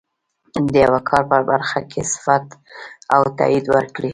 د یوه کار په برخه کې صفت او تایید وکړي.